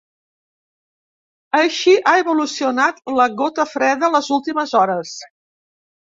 Així ha evolucionat la gota freda les últimes hores.